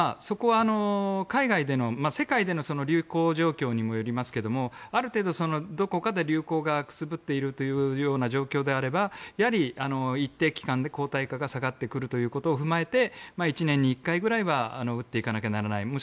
そこは海外での世界での流行状況にもよりますけどある程度、どこかで流行がくすぶっているという状況であればやはり一定期間で抗体価が下がってくるということを踏まえて１年に１回ぐらいは打っていかなきゃならない。